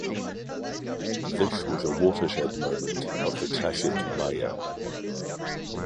This was a watershed moment of the Classic Maya.